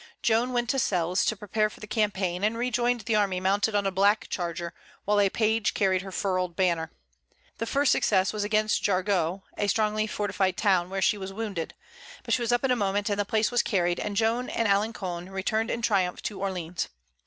Joan went to Selles to prepare for the campaign, and rejoined the army mounted on a black charger, while a page carried her furled banner. The first success was against Jargeau, a strongly fortified town, where she was wounded; but she was up in a moment, and the place was carried, and Joan and Alençon returned in triumph to Orleans.